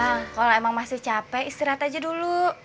bang kalo emang masih capek istirahat aja dulu